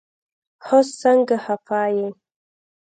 هوس سنګه خفه يي